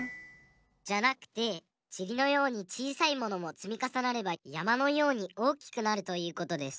じゃなくてちりのようにちいさいものもつみかさなればやまのようにおおきくなるということです。